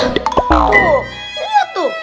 tuh lihat tuh